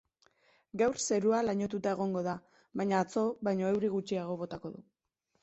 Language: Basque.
Gaur zerua lainotuta egongo da, baina atzo baino euro gutxiago botako du.